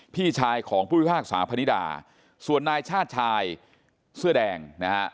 พี่ชายของผู้พิพากษาพนิดาส่วนนายชาติชายเสื้อแดงนะฮะ